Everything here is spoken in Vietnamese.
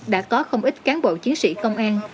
đã có không ít cán bộ chiến sĩ công an